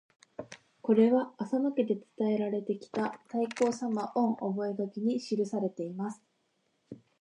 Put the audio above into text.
これは浅野家で伝えられてきた「太閤様御覚書」に記されています。